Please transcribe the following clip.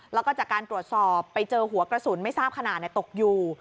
แล้วก็จากการตรวจสอบไปเจอหัวกระสุนไม่ทราบขนาดตกอยู่